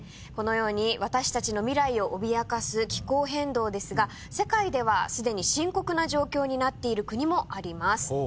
このように私たちの未来を脅かす気候変動ですが世界ではすでに深刻な状況になっている国もあります。